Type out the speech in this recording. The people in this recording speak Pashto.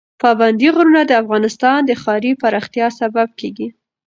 پابندی غرونه د افغانستان د ښاري پراختیا سبب کېږي.